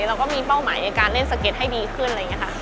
เราก็มีเป้าหมายในการเล่นสะเก็ตให้ดีขึ้นอะไรอย่างนี้ค่ะ